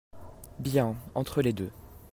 Bien/ entre les deux.